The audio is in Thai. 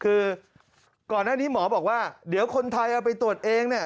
คือก่อนหน้านี้หมอบอกว่าเดี๋ยวคนไทยเอาไปตรวจเองเนี่ย